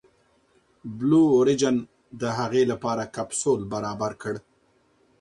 بلو اوریجن د هغې لپاره کپسول برابر کړ.